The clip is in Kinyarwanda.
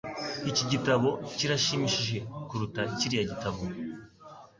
Iki gitabo kirashimishije kuruta kiriya gitabo.